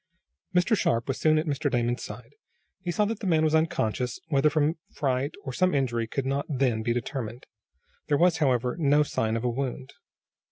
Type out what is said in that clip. Mr. Sharp was soon at Mr. Damon's side. He saw that the man was unconscious, whether from fright or some injury could not then be determined. There was, however, no sign of a wound.